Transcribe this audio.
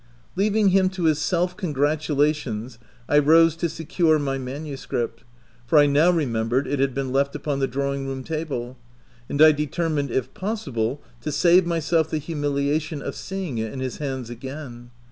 Leaving him to his self congratulations, I rose to secure my manuscript, for I now re membered it had been left upon the drawing room table, and I determined, if possible, to save myself the humiliation of seeing it in his hands again.